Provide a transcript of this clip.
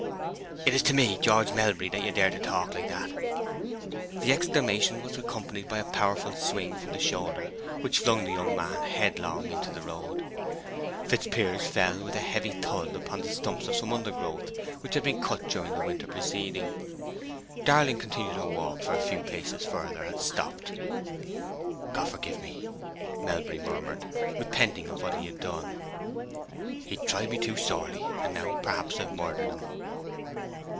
It is to me, George Melbury, that you dare to talk like that!" The exclamation was accompanied by a powerful swing from the shoulder, which flung the young man head long into the road, Fitzpiers fell with a heavy thud upon the stumps of some undergrowth which had been cut during the winter preceding. Darling continued her walk for a few paces farther and stopped. "God forgive me!" Melbury murmured, repenting of what he had done. "He tried me too sorely; and now perhaps I've murdered him!"